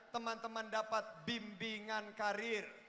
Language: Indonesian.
teman teman dapat bimbingan karir